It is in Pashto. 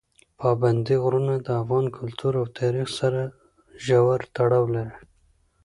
پابندي غرونه د افغان کلتور او تاریخ سره ژور تړاو لري.